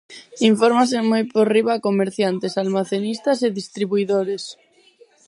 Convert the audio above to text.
Infórmase moi por riba a comerciantes, almacenistas e distribuidores.